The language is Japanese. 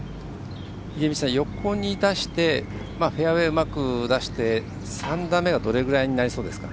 秀道さん、横に出してフェアウエーうまく出して３打目はどれぐらいになりそうですか。